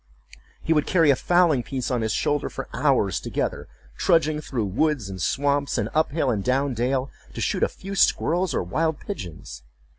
He would carry a fowling piece on his shoulder for hours together, trudging through woods and swamps, and up hill and down dale, to shoot a few squirrels or wild pigeons.